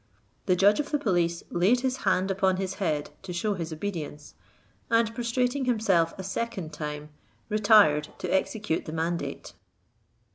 The judge of the police laid his hand upon his head, to shew his obedience, and prostrating himself a second time retired to execute the mandate.